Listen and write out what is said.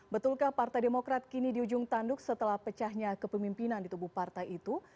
betulkah partai demokrat kini di ujung tanduk setelah pecahnya kepemimpinan di tubuh partai itu